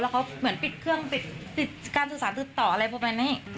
แล้วเขาเหมือนปิดเครื่องปิดการสื่อสารชื่อต่ออะไรพบันนึง